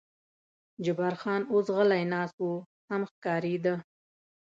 جبار خان اوس غلی ناست و، سم ښکارېده.